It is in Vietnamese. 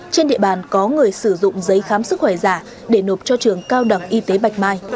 trên địa bàn có người sử dụng giấy khám sức khỏe giả để nộp cho trường cao đẳng y tế bạch mai